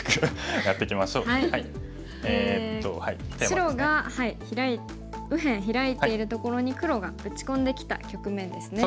白が右辺ヒラいているところに黒が打ち込んできた局面ですね。